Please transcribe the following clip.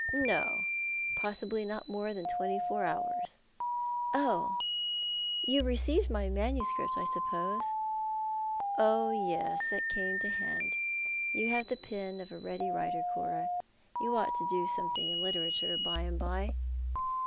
" No. Possibly not more than twenty four hours." " Oh ! You received my manuscript, I suppose ?"" Oh yes, that came to hand. You have the pen of a ready Avriter, Cora. You ought to do something in literature, by and by."